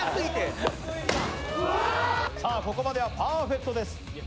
ここまではパーフェクトです。